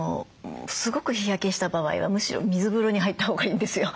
すごく日焼けした場合はむしろ水風呂に入ったほうがいいんですよ。